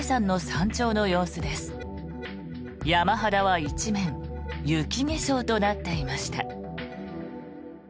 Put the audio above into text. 山肌は一面、雪化粧となっていました。